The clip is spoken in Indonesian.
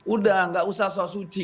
udah nggak usah soal suci